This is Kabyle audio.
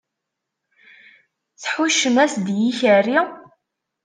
Tḥuccem-as-d i ikerri?